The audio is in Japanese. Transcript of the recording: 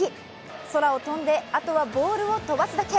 空を飛んで、あとはボールを飛ばすだけ。